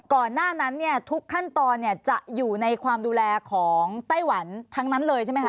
ก่อนหน้านั้นเนี่ยทุกขั้นตอนจะอยู่ในความดูแลของไต้หวันทั้งนั้นเลยใช่ไหมคะ